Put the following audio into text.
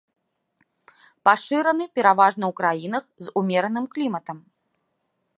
Пашыраны пераважна ў краінах з умераным кліматам.